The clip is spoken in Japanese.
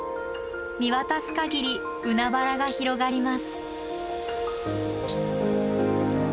見渡す限り海原が広がります。